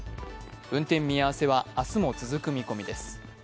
運転見合わせは明日も続く見込みです。